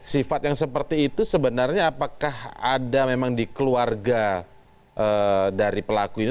sifat yang seperti itu sebenarnya apakah ada memang di keluarga dari pelaku ini